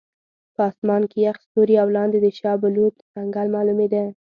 په اسمان کې یخ ستوري او لاندې د شاه بلوط ځنګل معلومېده.